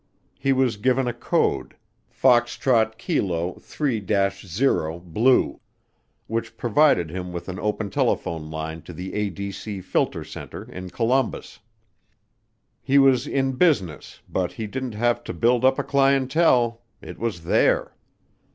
He was given a code, "Foxtrot Kilo 3 0 Blue," which provided him with an open telephone line to the ADC Filter Center in Columbus. He was in business but he didn't have to build up a clientele it was there.